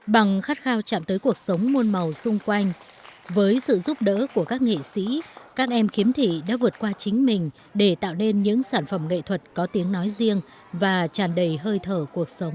bằng khát khao chạm tới cuộc sống muôn màu xung quanh với sự giúp đỡ của các nghệ sĩ các em khiếm thị đã vượt qua chính mình để tạo nên những sản phẩm nghệ thuật có tiếng nói riêng và tràn đầy hơi thở cuộc sống